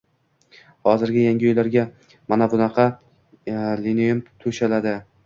Hozir yangi uylarga manavunaqa linolium to‘shaladi.